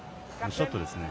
ショットですね。